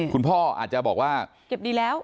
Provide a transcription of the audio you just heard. คุณพ่ออาจจะบอกว่าเก็บดีแล้ว